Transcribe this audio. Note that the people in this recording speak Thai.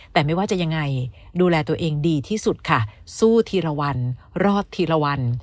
แต่ไม่ว่าจะยังไงดูแลตัวเองดีที่สุดค่ะสู้ทีละวันรอดทีละวัน